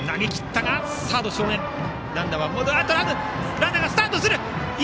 ランナーがスタートしている。